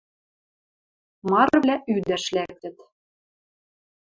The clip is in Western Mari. Марывлӓ ӱдӓш лӓктӹт.